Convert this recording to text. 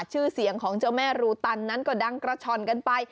ชื่อเสียงของเจ้าแม่รูตันนั้นก็ดังกระช่อนกันไป